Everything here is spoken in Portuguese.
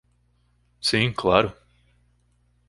Sim, claro